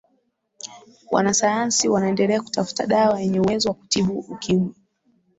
wanasayansi wanaendelea kutafuta dawa yenye uwezo wa kutibu ukimwi